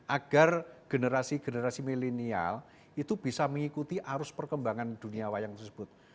agar generasi generasi milenial itu bisa mengikuti arus perkembangan dunia wayang tersebut